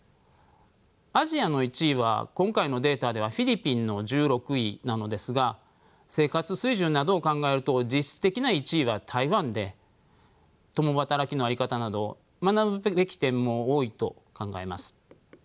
アジアの１位は今回のデータではフィリピンの１６位なのですが生活水準などを考えると実質的な１位は台湾で共働きの在り方など学ぶべき点も多いと考えます。